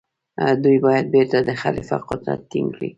دوی باید بيرته د خليفه قدرت ټينګ کړي.